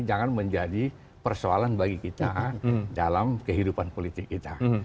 jangan menjadi persoalan bagi kita dalam kehidupan politik kita